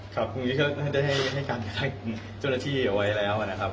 ครับคุณก็ได้ให้การแข่งเจ้าหน้าที่เอาไว้แล้วนะครับ